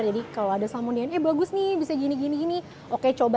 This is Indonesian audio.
jadi kalau ada salmon dna eh bagus nih bisa gini gini oke coba